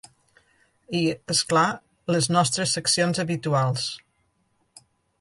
I, és clar, les nostres seccions habituals.